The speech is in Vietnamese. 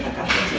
và cảm ơn chị